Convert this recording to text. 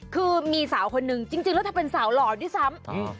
คือมีสาวคนนึงจริงแล้วเธอเป็นสาวหล่อด้วยซ้ำ